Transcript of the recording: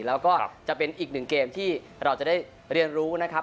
แล้วก็จะเป็นอีกหนึ่งเกมที่เราจะได้เรียนรู้นะครับ